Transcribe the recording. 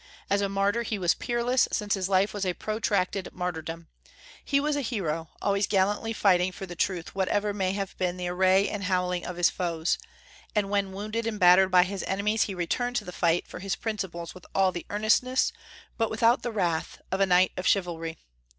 As a martyr he was peerless, since his life was a protracted martyrdom. He was a hero, always gallantly fighting for the truth whatever may have been the array and howling of his foes; and when wounded and battered by his enemies he returned to the fight for his principles with all the earnestness, but without the wrath, of a knight of chivalry.